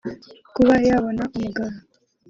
Kuba yabona umugabo